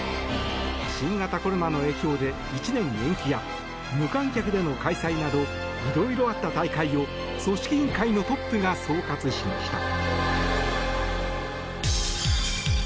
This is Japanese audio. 新型コロナの影響で１年延期や無観客での開催などいろいろあった大会を組織委員会のトップが総括しました。